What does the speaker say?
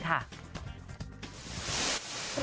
ไปฟังเซ็ตพี่โยกันค่ะ